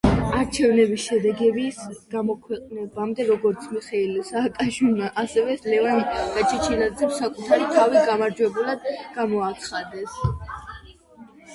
არჩევნების შედეგების გამოქვეყნებამდე როგორც მიხეილ სააკაშვილმა, ასევე ლევან გაჩეჩილაძემ საკუთარი თავი გამარჯვებულად გამოაცხადეს.